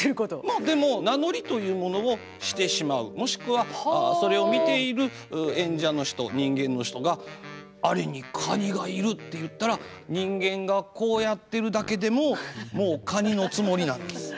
まあでも名乗りというものをしてしまうもしくはそれを見ている演者の人人間の人が「あれに蟹がいる」って言ったら人間がこうやってるだけでももう蟹のつもりなんです。